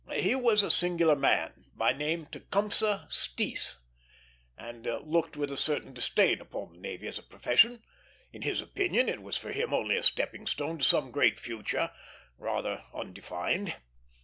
He was a singular man, by name Tecumseh Steece, and looked with a certain disdain upon the navy as a profession. In his opinion, it was for him only a stepping stone to some great future, rather undefined.